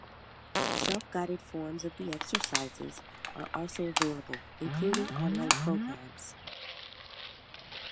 Self-guided forms of the "Exercises" are also available, including online programs.